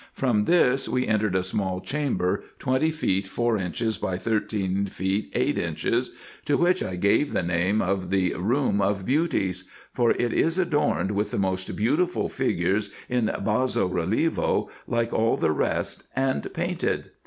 From this we entered a small chamber, twenty feet four inches by thirteen feet eight inches, to which I gave the name of the Room of Beau ties ; for it is adorned with the most beautiful figures in basso relievo, like all the rest, and painted.